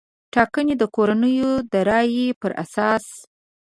ټاګنې د کورنیو د رایې پر اساس